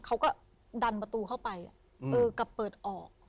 เขาก็ดันประตูเข้าไปกลับเปิดออก